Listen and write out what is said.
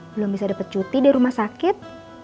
belum bisa dapat cuti di rumah sakit